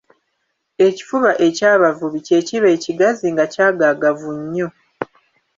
Ekifuba eky'abavubi kye kiba ekigazi nga kyagaagavu nnyo.